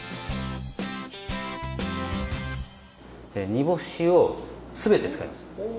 煮干しを全て使います。